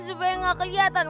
supaya gak keliatan